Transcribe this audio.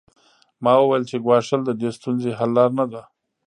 ما وویل چې ګواښل د دې ستونزې حل لاره نه ده